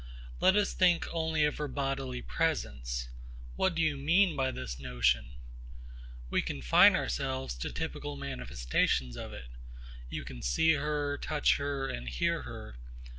Let us think only of her bodily presence. What do you mean by this notion? We confine ourselves to typical manifestations of it. You can see her, touch her, and hear her.